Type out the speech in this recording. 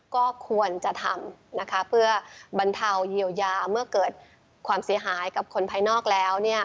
ก็ควรจะทำนะคะเพื่อบรรเทาเยียวยาเมื่อเกิดความเสียหายกับคนภายนอกแล้ว